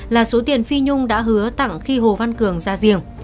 là số tiền phi nhung đã hứa tặng khi hồ văn cường ra riêng